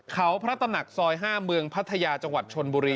เขาพระตำหนักซอย๕เมืองพัทยาจังหวัดชนบุรี